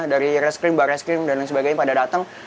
dari reskrim barreskrim dan lain sebagainya pada datang